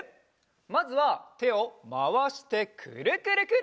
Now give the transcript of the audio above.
まずはてをまわしてくるくるくる。